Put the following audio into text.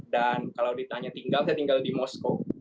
dan kalau ditanya tinggal saya tinggal di moskow